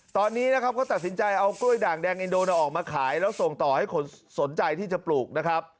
ตอนนี้นะครับก็ตัดสินใจเอากล้วยด่างแดงอินโดนีออกมาขายแล้วส่งต่อให้คนสนใจที่จะปลูกนะครับ